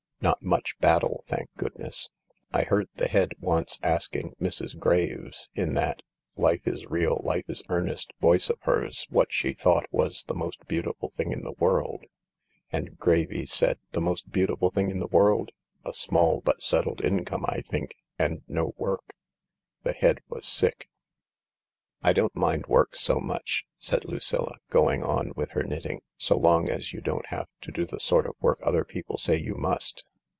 Not much battle, thank goodness ! I heard the Head once asking Miss Graves, in that 'life is real, life is earnest ' voice of hers, what she thought was the most beauti ful thing in the world. And Gravy said, ' The most beauti ful thing in the world ? A small but settled income, I think. And no work.' The Head was sick." " I don't mind work so much," said Lucilla, going on with her knitting, "so long as you don't have to do the sort of work other people say you must.